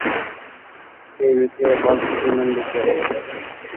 এই বিক্রিয়াকে বলজ-চিম্যান বিক্রিয়া বলা হয়।